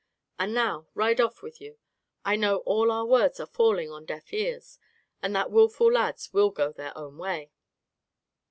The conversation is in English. And now ride off with you; I know all our words are falling on deaf ears, and that willful lads will go their own way."